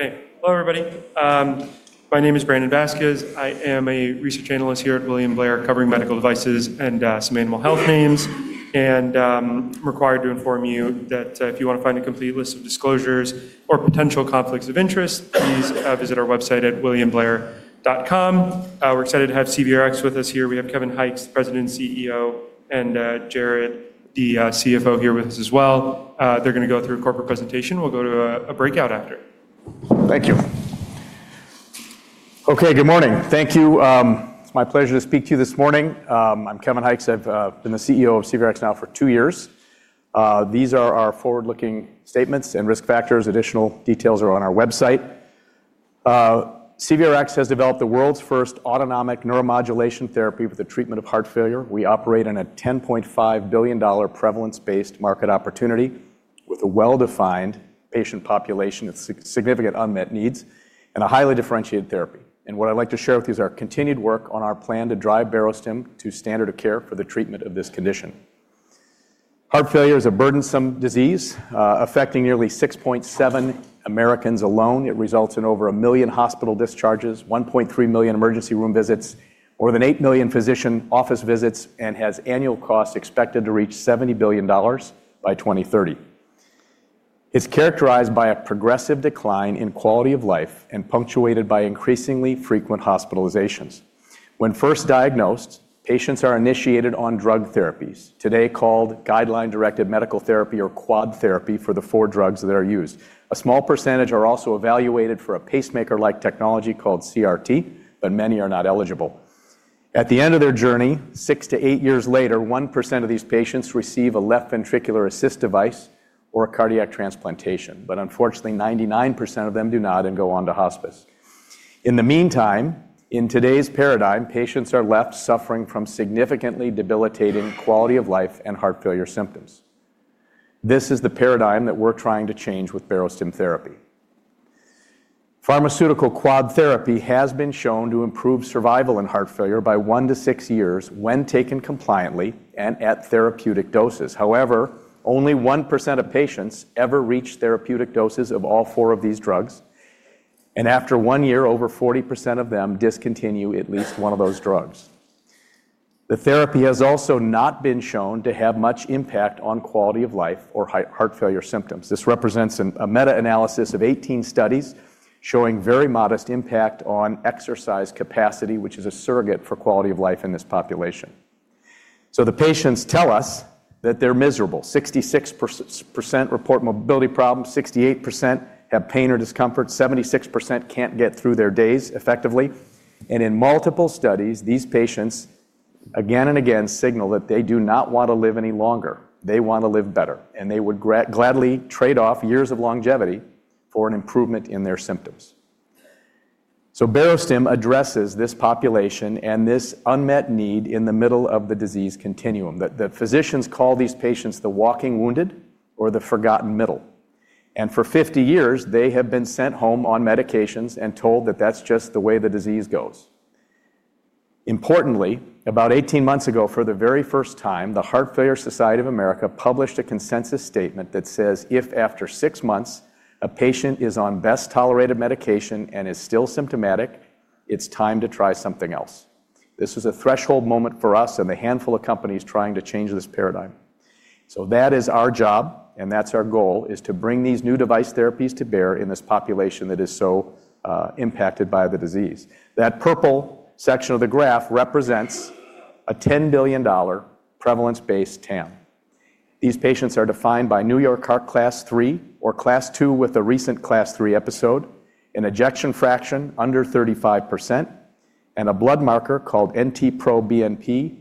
Okay. Hello, everybody. My name is Brandon Vazquez. I am a Research Analyst here at William Blair covering medical devices and some animal health names. I'm required to inform you that if you want to find a complete list of disclosures or potential conflicts of interest, please visit our website at williamblair.com. We're excited to have CVRx with us here. We have Kevin Hykes, President and CEO, and Jared, the CFO, here with us as well. They're going to go through a corporate presentation. We'll go to a breakout after. Thank you. Okay, good morning. Thank you. It's my pleasure to speak to you this morning. I'm Kevin Hykes. I've been the CEO of CVRx now for two years. These are our forward-looking statements and risk factors. Additional details are on our website. CVRx has developed the world's first autonomic neuromodulation therapy for the treatment of heart failure. We operate in a $10.5 billion prevalence-based market opportunity with a well-defined patient population with significant unmet needs and a highly differentiated therapy. What I'd like to share with you is our continued work on our plan to drive Barostim to standard of care for the treatment of this condition. Heart failure is a burdensome disease affecting nearly 6.7 million Americans alone. It results in over 1 million hospital discharges, 1.3 million emergency room visits, more than 8 million physician office visits, and has annual costs expected to reach $70 billion by 2030. It's characterized by a progressive decline in quality of life and punctuated by increasingly frequent hospitalizations. When first diagnosed, patients are initiated on drug therapies, today called guideline-directed medical therapy or quad therapy for the four drugs that are used. A small percentage are also evaluated for a pacemaker-like technology called CRT, many are not eligible. At the end of their journey, six to eight years later, 1% of these patients receive a left ventricular assist device or a cardiac transplantation, unfortunately, 99% of them do not and go on to hospice. In the meantime, in today's paradigm, patients are left suffering from significantly debilitating quality of life and heart failure symptoms. This is the paradigm that we're trying to change with Barostim therapy. Pharmaceutical quad therapy has been shown to improve survival in heart failure by one to six years when taken compliantly and at therapeutic doses. However, only 1% of patients ever reach therapeutic doses of all four of these drugs, and after one year, over 40% of them discontinue at least one of those drugs. The therapy has also not been shown to have much impact on quality of life or heart failure symptoms. This represents a meta-analysis of 18 studies showing very modest impact on exercise capacity, which is a surrogate for quality of life in this population. The patients tell us that they're miserable. 66% report mobility problems, 68% have pain or discomfort, 76% can't get through their days effectively. In multiple studies, these patients again and again signal that they do not want to live any longer. They want to live better, and they would gladly trade off years of longevity for an improvement in their symptoms. Barostim addresses this population and this unmet need in the middle of the disease continuum, that physicians call these patients the walking wounded or the forgotten middle, and for 50 years, they have been sent home on medications and told that that's just the way the disease goes. Importantly, about 18 months ago, for the very first time, the Heart Failure Society of America published a consensus statement that says, if after six months a patient is on best-tolerated medication and is still symptomatic, it's time to try something else. This was a threshold moment for us and the handful of companies trying to change this paradigm. That is our job and that's our goal, is to bring these new device therapies to bear in this population that is so impacted by the disease. That purple section of the graph represents a $10 billion prevalence-based TAM. These patients are defined by New York Heart Class III or Class II with a recent Class III episode, an ejection fraction under 35%, and a blood marker called NT-proBNP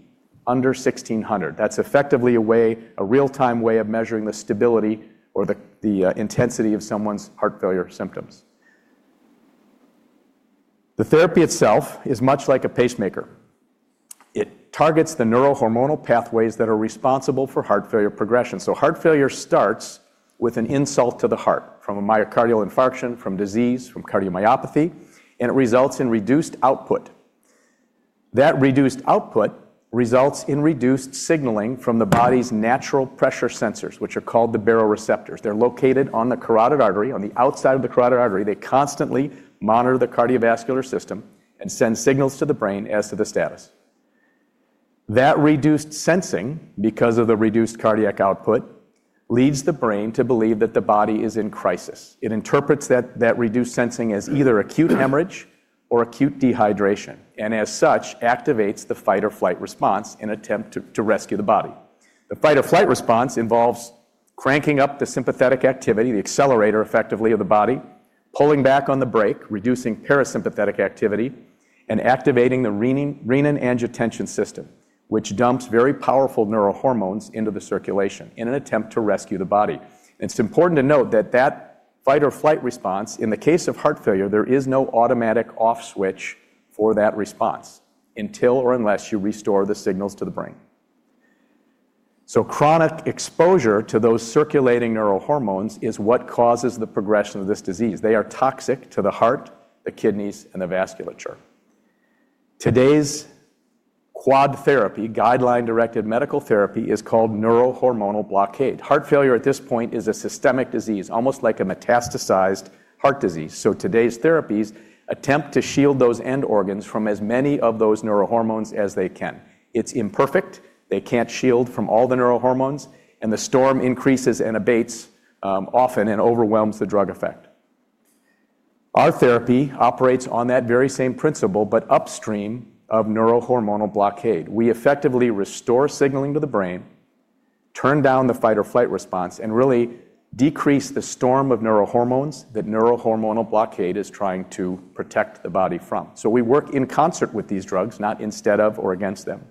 under 1,600. That's effectively a real-time way of measuring the stability or the intensity of someone's heart failure symptoms. The therapy itself is much like a pacemaker. It targets the neurohormonal pathways that are responsible for heart failure progression. Heart failure starts with an insult to the heart from a myocardial infarction, from disease, from cardiomyopathy, and it results in reduced output. That reduced output results in reduced signaling from the body's natural pressure sensors, which are called the baroreceptors. They're located on the carotid artery, on the outside of the carotid artery. They constantly monitor the cardiovascular system and send signals to the brain as to the status. That reduced sensing, because of the reduced cardiac output, leads the brain to believe that the body is in crisis. It interprets that reduced sensing as either acute hemorrhage or acute dehydration, and as such, activates the fight or flight response in an attempt to rescue the body. The fight or flight response involves cranking up the sympathetic activity, the accelerator, effectively, of the body, pulling back on the brake, reducing parasympathetic activity, and activating the renin-angiotensin system, which dumps very powerful neurohormones into the circulation in an attempt to rescue the body. It's important to note that that fight or flight response, in the case of heart failure, there is no automatic off switch for that response until or unless you restore the signals to the brain. Chronic exposure to those circulating neurohormones is what causes the progression of this disease. They are toxic to the heart, the kidneys, and the vasculature. Today's quad therapy, guideline-directed medical therapy, is called neurohormonal blockade. Heart failure at this point is a systemic disease, almost like a metastasized heart disease. Today's therapies attempt to shield those end organs from as many of those neurohormones as they can. It's imperfect. They can't shield from all the neurohormones, and the storm increases and abates often and overwhelms the drug effect. Our therapy operates on that very same principle, but upstream of neurohormonal blockade. We effectively restore signaling to the brain, turn down the fight or flight response, and really decrease the storm of neurohormones that neurohormonal blockade is trying to protect the body from. We work in concert with these drugs, not instead of or against them.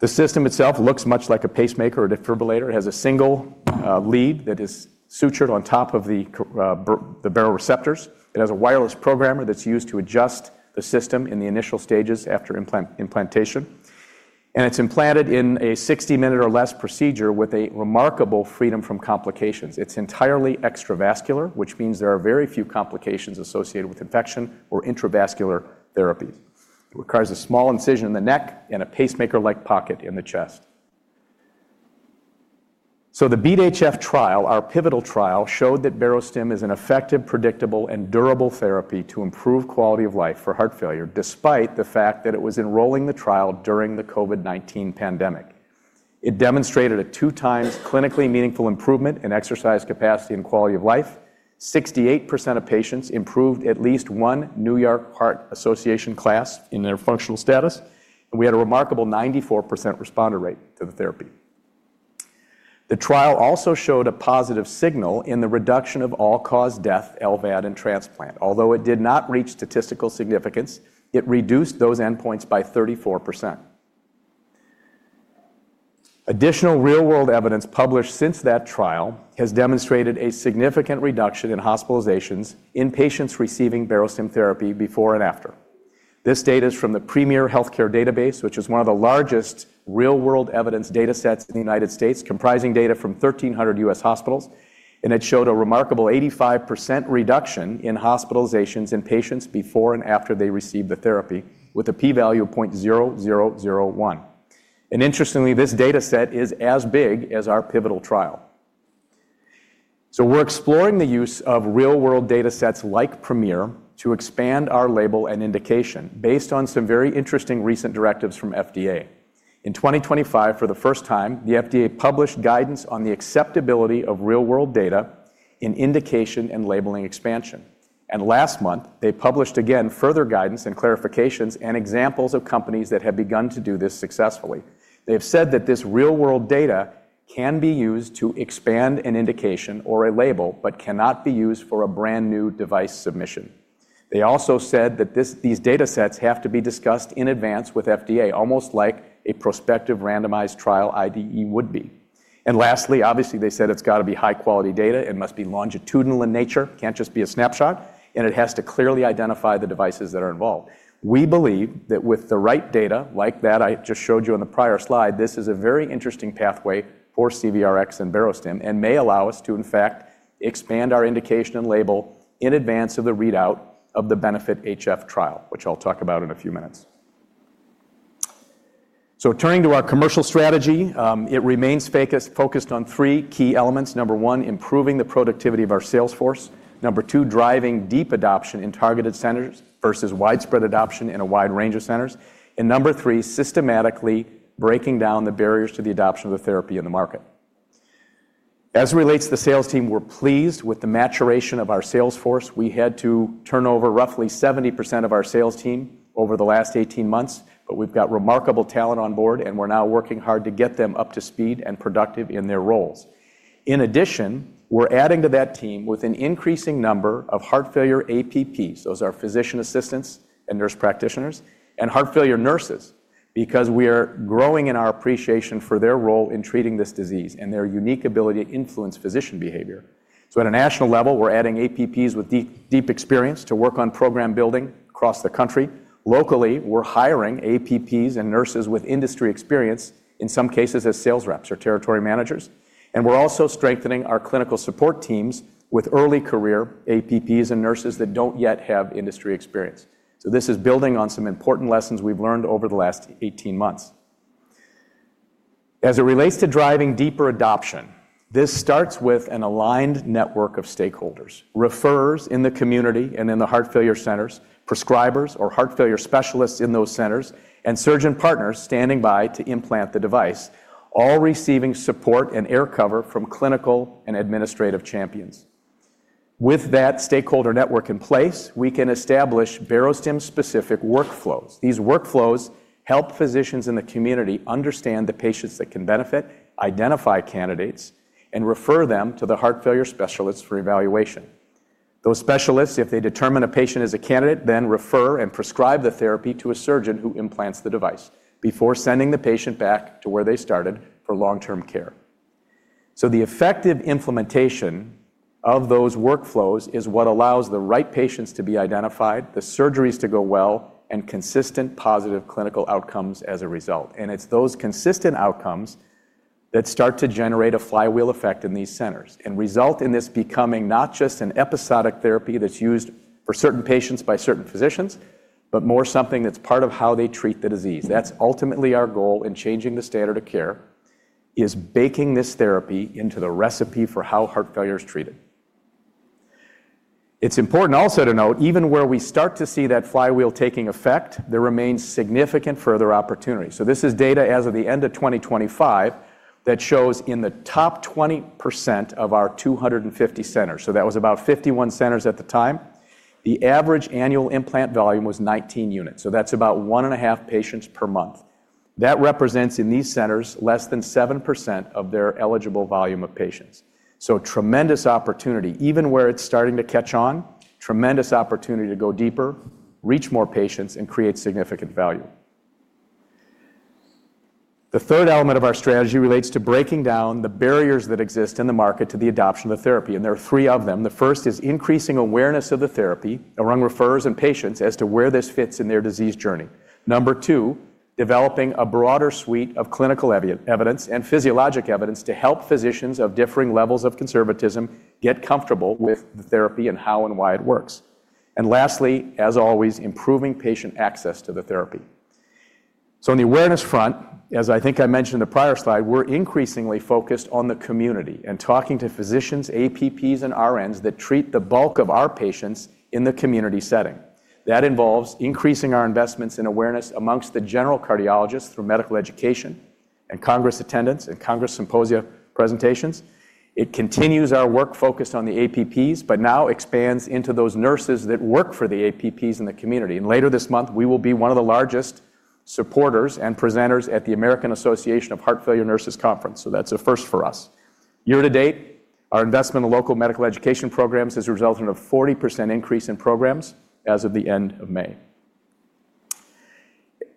The system itself looks much like a pacemaker. A defibrillator has a single lead that is sutured on top of the baroreceptors. It has a wireless programmer that's used to adjust the system in the initial stages after implantation. It's implanted in a 60-minute or less procedure with a remarkable freedom from complications. It's entirely extravascular, which means there are very few complications associated with infection or intravascular therapies. It requires a small incision in the neck and a pacemaker-like pocket in the chest. The BeAT-HF trial, our pivotal trial, showed that Barostim is an effective, predictable, and durable therapy to improve quality of life for heart failure, despite the fact that it was enrolling the trial during the COVID-19 pandemic. It demonstrated a two times clinically meaningful improvement in exercise capacity and quality of life. 68% of patients improved at least 1 New York Heart Association class in their functional status, and we had a remarkable 94% responder rate to the therapy. The trial also showed a positive signal in the reduction of all-cause death, LVAD, and transplant. Although it did not reach statistical significance, it reduced those endpoints by 34%. Additional real-world evidence published since that trial has demonstrated a significant reduction in hospitalizations in patients receiving Barostim therapy before and after. This data is from the Premier Healthcare Database, which is one of the largest real-world evidence datasets in the U.S., comprising data from 1,300 U.S. hospitals. It showed a remarkable 85% reduction in hospitalizations in patients before and after they received the therapy with a P value of 0.0001. Interestingly, this dataset is as big as our pivotal trial. We're exploring the use of real-world datasets like Premier to expand our label and indication based on some very interesting recent directives from FDA. In 2025, for the first time, the FDA published guidance on the acceptability of real-world data in indication and labeling expansion. Last month, they published again further guidance and clarifications and examples of companies that have begun to do this successfully. They have said that this real-world data can be used to expand an indication or a label but cannot be used for a brand-new device submission. They also said that these datasets have to be discussed in advance with FDA, almost like a prospective randomized trial IDE would be. Lastly, obviously, they said it's got to be high-quality data. It must be longitudinal in nature, can't just be a snapshot, and it has to clearly identify the devices that are involved. We believe that with the right data like that I just showed you in the prior slide, this is a very interesting pathway for CVRx and Barostim and may allow us to, in fact, expand our indication and label in advance of the readout of the BENEFIT-HF trial, which I'll talk about in a few minutes. Turning to our commercial strategy, it remains focused on three key elements. Number one, improving the productivity of our sales force. Number two, driving deep adoption in targeted centers versus widespread adoption in a wide range of centers. Number three, systematically breaking down the barriers to the adoption of the therapy in the market. As it relates to the sales team, we're pleased with the maturation of our sales force. We had to turn over roughly 70% of our sales team over the last 18 months, but we've got remarkable talent on board, and we're now working hard to get them up to speed and productive in their roles. In addition, we're adding to that team with an increasing number of heart failure APPs. Those are physician assistants and nurse practitioners, and heart failure nurses because we are growing in our appreciation for their role in treating this disease and their unique ability to influence physician behavior. At a national level, we're adding APPs with deep experience to work on program building across the country. Locally, we're hiring APPs and nurses with industry experience, in some cases as sales reps or territory managers, and we're also strengthening our clinical support teams with early career APPs and nurses that don't yet have industry experience. This is building on some important lessons we've learned over the last 18 months. As it relates to driving deeper adoption, this starts with an aligned network of stakeholders, referrers in the community and in the heart failure centers, prescribers or heart failure specialists in those centers, and surgeon partners standing by to implant the device, all receiving support and air cover from clinical and administrative champions. With that stakeholder network in place, we can establish Barostim-specific workflows. These workflows help physicians in the community understand the patients that can benefit, identify candidates, and refer them to the heart failure specialists for evaluation. Those specialists, if they determine a patient is a candidate, then refer and prescribe the therapy to a surgeon who implants the device before sending the patient back to where they started for long-term care. The effective implementation of those workflows is what allows the right patients to be identified, the surgeries to go well and consistent positive clinical outcomes as a result. It's those consistent outcomes that start to generate a flywheel effect in these centers and result in this becoming not just an episodic therapy that's used for certain patients by certain physicians, but more something that's part of how they treat the disease. That's ultimately our goal in changing the standard of care, is baking this therapy into the recipe for how heart failure is treated. It's important also to note, even where we start to see that flywheel taking effect, there remains significant further opportunity. This is data as of the end of 2025 that shows in the top 20% of our 250 centers. That was about 51 centers at the time. The average annual implant volume was 19 units. That's about one and a half patients per month. That represents, in these centers, less than 7% of their eligible volume of patients. Tremendous opportunity. Even where it's starting to catch on, tremendous opportunity to go deeper, reach more patients, and create significant value. The third element of our strategy relates to breaking down the barriers that exist in the market to the adoption of therapy, and there are three of them. The first is increasing awareness of the therapy among referrers and patients as to where this fits in their disease journey. Number two, developing a broader suite of clinical evidence and physiologic evidence to help physicians of differing levels of conservatism get comfortable with the therapy and how and why it works. Lastly, as always, improving patient access to the therapy. On the awareness front, as I think I mentioned in the prior slide, we're increasingly focused on the community and talking to physicians, APPs, and RNs that treat the bulk of our patients in the community setting. That involves increasing our investments in awareness amongst the general cardiologists through medical education and congress attendance and congress symposia presentations. It continues our work focused on the APPs, but now expands into those nurses that work for the APPs in the community. Later this month, we will be one of the largest supporters and presenters at the American Association of Heart Failure Nurses conference. That's a first for us. Year to date, our investment in local medical education programs has resulted in a 40% increase in programs as of the end of May.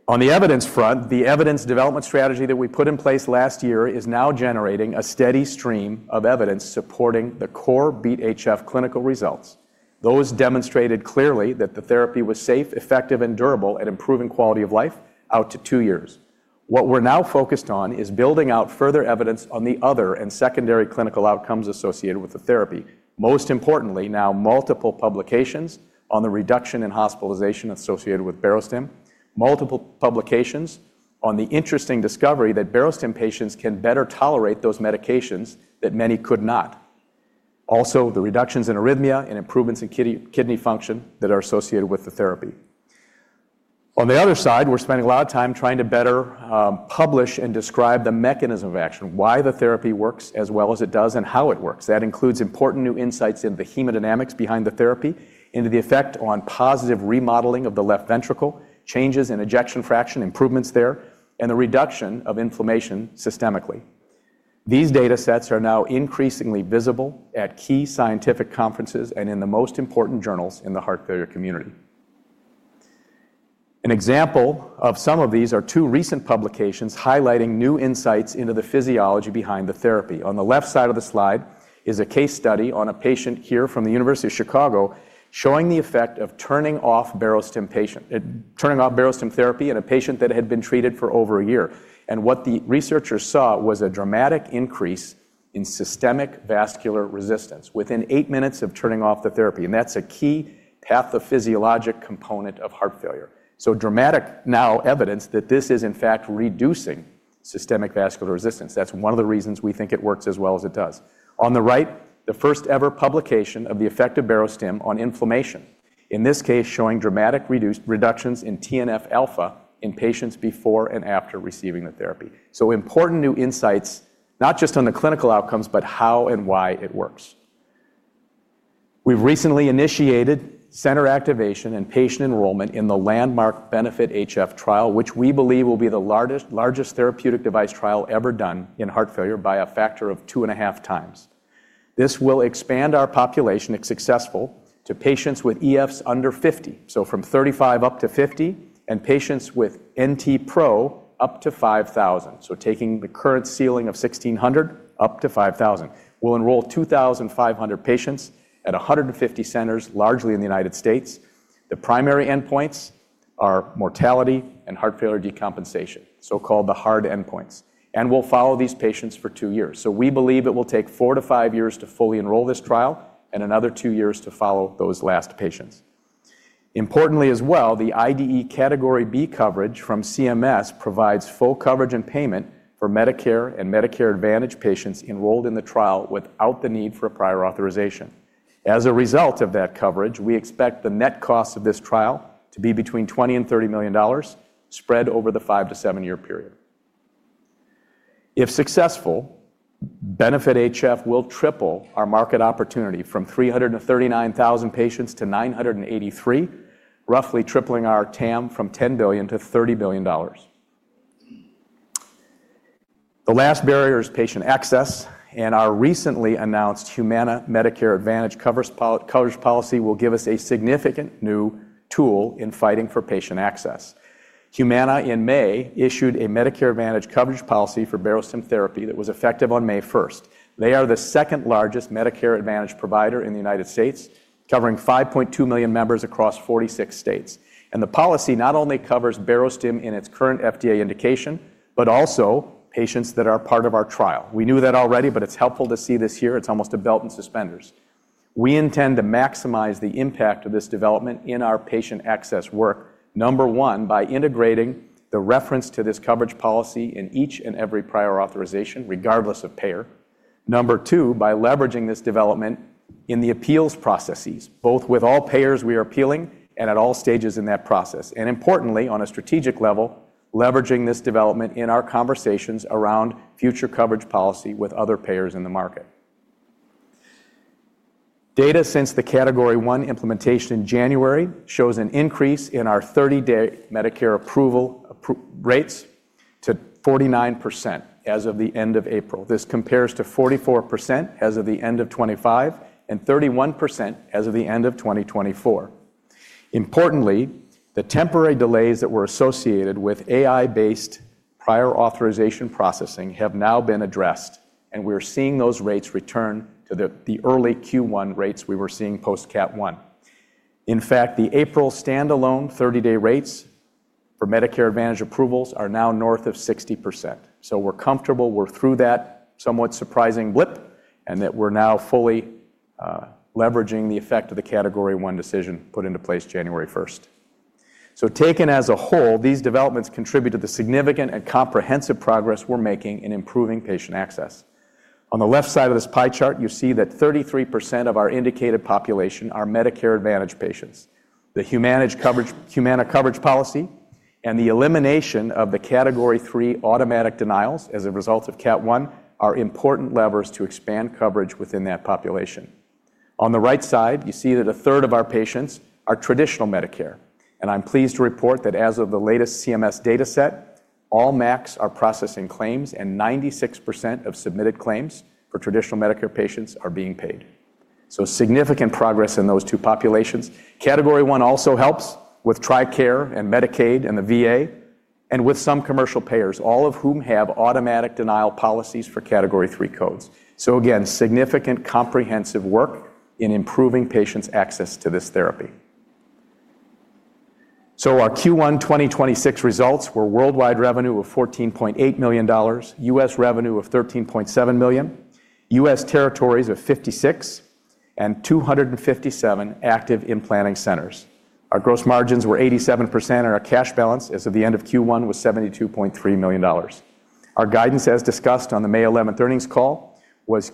On the evidence front, the evidence development strategy that we put in place last year is now generating a steady stream of evidence supporting the core BeAT-HF clinical results. Those demonstrated clearly that the therapy was safe, effective, and durable at improving quality of life out to two years. What we're now focused on is building out further evidence on the other and secondary clinical outcomes associated with the therapy. Most importantly, now multiple publications on the reduction in hospitalization associated with Barostim, multiple publications on the interesting discovery that Barostim patients can better tolerate those medications that many could not. The reductions in arrhythmia and improvements in kidney function that are associated with the therapy. On the other side, we're spending a lot of time trying to better publish and describe the mechanism of action, why the therapy works as well as it does, and how it works. That includes important new insights in the hemodynamics behind the therapy into the effect on positive remodeling of the left ventricle, changes in ejection fraction improvements there, and the reduction of inflammation systemically. These datasets are now increasingly visible at key scientific conferences and in the most important journals in the heart failure community. An example of some of these are two recent publications highlighting new insights into the physiology behind the therapy. On the left side of the slide is a case study on a patient here from the University of Chicago showing the effect of turning off Barostim therapy in a patient that had been treated for over a year. What the researchers saw was a dramatic increase in systemic vascular resistance within eight minutes of turning off the therapy, and that's a key pathophysiologic component of heart failure. Dramatic now evidence that this is in fact reducing systemic vascular resistance. That's one of the reasons we think it works as well as it does. On the right, the first ever publication of the effect of Barostim on inflammation, in this case, showing dramatic reductions in TNF alpha in patients before and after receiving the therapy. Important new insights, not just on the clinical outcomes, but how and why it works. We've recently initiated center activation and patient enrollment in the landmark BENEFIT-HF trial, which we believe will be the largest therapeutic device trial ever done in heart failure by a factor of two and a half times. This will expand our population, if successful, to patients with EFs under 50, so from 35 up to 50, and patients with NTpro up to 5,000. Taking the current ceiling of 1,600 up to 5,000. We'll enroll 2,500 patients at 150 centers, largely in the U.S. The primary endpoints are mortality and heart failure decompensation, so-called the hard endpoints. We'll follow these patients for two years. We believe it will take four to five years to fully enroll this trial and another two years to follow those last patients. Importantly as well, the IDE Category B coverage from CMS provides full coverage and payment for Medicare and Medicare Advantage patients enrolled in the trial without the need for prior authorization. As a result of that coverage, we expect the net cost of this trial to be between $20 million and $30 million spread over the five to seven-year period. If successful, BENEFIT-HF will triple our market opportunity from 339,000 patients to 983,000, roughly tripling our TAM from $10 billion to $30 billion. The last barrier is patient access. Our recently announced Humana Medicare Advantage coverage policy will give us a significant new tool in fighting for patient access. Humana in May issued a Medicare Advantage coverage policy for Barostim therapy that was effective on May 1st. They are the second-largest Medicare Advantage provider in the U.S., covering 5.2 million members across 46 states. The policy not only covers Barostim in its current FDA indication, but also patients that are part of our trial. We knew that already, it's helpful to see this here. It's almost a belt and suspenders. We intend to maximize the impact of this development in our patient access work. Number one, by integrating the reference to this coverage policy in each and every prior authorization, regardless of payer. Number two, by leveraging this development in the appeals processes, both with all payers we are appealing and at all stages in that process. Importantly, on a strategic level, leveraging this development in our conversations around future coverage policy with other payers in the market. Data since the Category I implementation in January shows an increase in our 30-day Medicare approval rates to 49% as of the end of April. This compares to 44% as of the end of 2025 and 31% as of the end of 2024. Importantly, the temporary delays that were associated with AI-based prior authorization processing have now been addressed, and we're seeing those rates return to the early Q1 rates we were seeing post Cat I. In fact, the April standalone 30-day rates for Medicare Advantage approvals are now north of 60%. We're comfortable we're through that somewhat surprising blip and that we're now fully leveraging the effect of the Category I decision put into place January 1st. Taken as a whole, these developments contribute to the significant and comprehensive progress we're making in improving patient access. On the left side of this pie chart, you see that 33% of our indicated population are Medicare Advantage patients. The Humana coverage policy and the elimination of the Category III automatic denials as a result of Category I are important levers to expand coverage within that population. On the right side, you see that a third of our patients are traditional Medicare, and I'm pleased to report that as of the latest CMS data set, all MACs are processing claims and 96% of submitted claims for traditional Medicare patients are being paid. Significant progress in those two populations. Category I also helps with TRICARE and Medicaid and the VA and with some commercial payers, all of whom have automatic denial policies for Category III codes. Again, significant comprehensive work in improving patients' access to this therapy. Our Q1 2026 results were worldwide revenue of $14.8 million, U.S. revenue of $13.7 million, U.S. territories of 56, and 257 active implanting centers. Our gross margins were 87%, and our cash balance as of the end of Q1 was $72.3 million. Our guidance, as discussed on the May 11th earnings call, was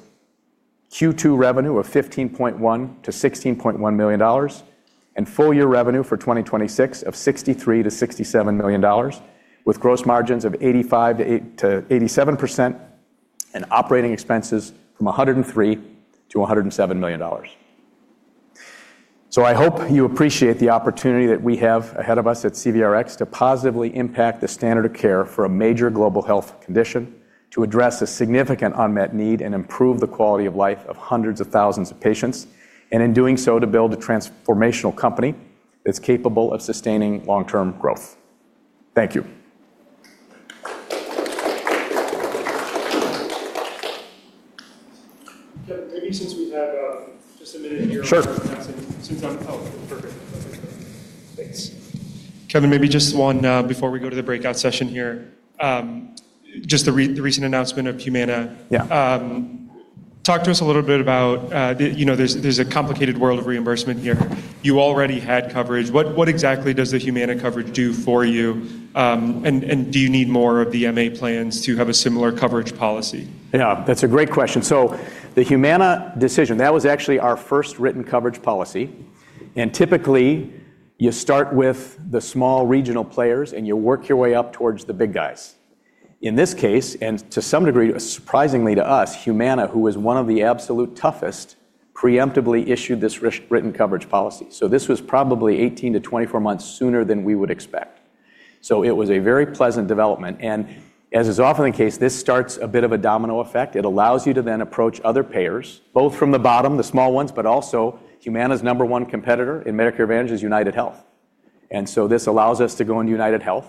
Q2 revenue of $15.1 million-$16.1 million and full-year revenue for 2026 of $63 million-$67 million with gross margins of 85%-87% and operating expenses from $103 million-$107 million. I hope you appreciate the opportunity that we have ahead of us at CVRx to positively impact the standard of care for a major global health condition, to address a significant unmet need, and improve the quality of life of hundreds of thousands of patients. In doing so, to build a transformational company that's capable of sustaining long-term growth. Thank you. Kevin, maybe since we have just a minute here to answer questions. Sure Oh, perfect. Thanks, Kevin. Maybe just one before we go to the breakout session here. Just the recent announcement of Humana. Yeah. Talk to us a little bit about There's a complicated world of reimbursement here. You already had coverage. What exactly does the Humana coverage do for you? Do you need more of the MA plans to have a similar coverage policy? Yeah, that's a great question. The Humana decision, that was actually our first written coverage policy. Typically, you start with the small regional players, and you work your way up towards the big guys. In this case, and to some degree, surprisingly to us, Humana, who was one of the absolute toughest, preemptively issued this written coverage policy. This was probably 18-24 months sooner than we would expect. It was a very pleasant development. As is often the case, this starts a bit of a domino effect. It allows you to then approach other payers, both from the bottom, the small ones, but also Humana's number one competitor in Medicare Advantage is UnitedHealth. This allows us to go into UnitedHealth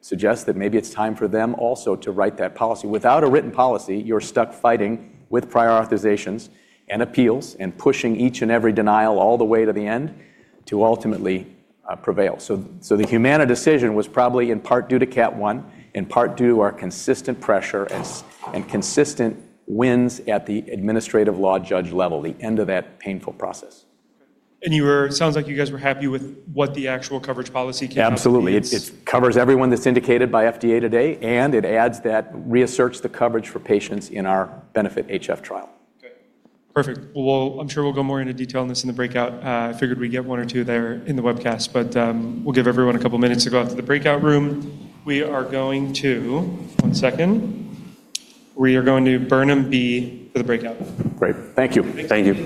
and suggest that maybe it's time for them also to write that policy. Without a written policy, you're stuck fighting with prior authorizations and appeals and pushing each and every denial all the way to the end to ultimately prevail. The Humana decision was probably in part due to Cat I and part due to our consistent pressure and consistent wins at the administrative law judge level, the end of that painful process. Sounds like you guys were happy with what the actual coverage policy came out to be. Absolutely. It covers everyone that's indicated by FDA to date, and it reasserts the coverage for patients in our BENEFIT-HF trial. Okay, perfect. Well, I'm sure we'll go more into detail on this in the breakout. I figured we'd get one or two there in the webcast. We'll give everyone a couple of minutes to go out to the breakout room. We are going to Burnham B for the breakout. Great. Thank you. Thank you.